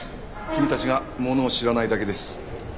君たちが物を知らないだけです。